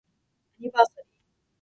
アニバーサリー